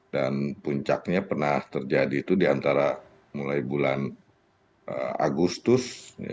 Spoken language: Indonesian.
dan puncaknya pernah terjadi itu diantara mulai bulan agustus